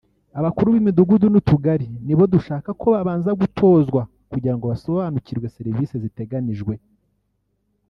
Abakuru b’imidugudu n’utugari nibo dushaka ko babanza gutozwa kugira ngo basobanukirwe serivisi ziteganijwe